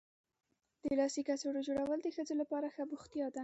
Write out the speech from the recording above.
د لاسي کڅوړو جوړول د ښځو لپاره ښه بوختیا ده.